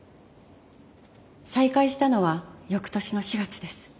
再会したのは翌年の４月です。